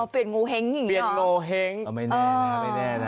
เปลี่ยนโงเห้งอย่างนี้หรอไม่แน่นะ